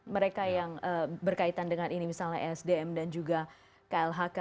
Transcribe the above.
mereka yang berkaitan dengan ini misalnya sdm dan juga klhk